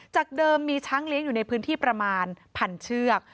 จากเดิมมีช้างเลี้ยงอยู่ในพื้นที่ประมาณพันเชือก